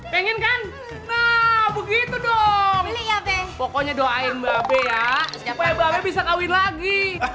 pengen kan begitu dong pokoknya doain mbak bea bisa kawin lagi